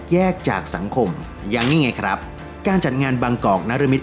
จากสังคมอย่างนี้ไงครับการจัดงานบางกอกนรมิต